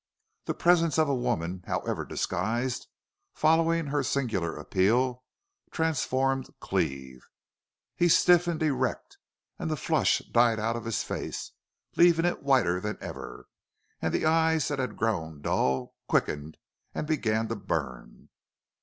The presence of a woman, however disguised, following her singular appeal, transformed Cleve. He stiffened erect and the flush died out of his face, leaving it whiter than ever, and the eyes that had grown dull quickened and began to burn.